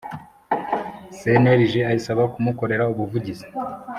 Cnlg ayisaba kumukorera ubuvugizi